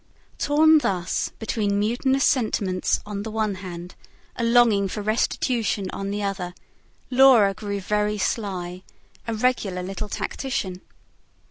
Torn thus, between mutinous sentiments on the one hand, a longing for restitution on the other, Laura grew very sly a regular little tactician.